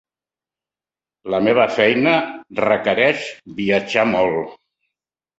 La meva feina requereix viatjar molt.